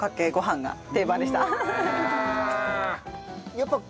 やっぱ。